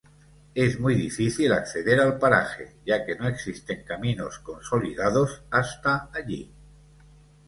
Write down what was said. Es muy difícil acceder al paraje, ya que no existen caminos consolidados hasta allí.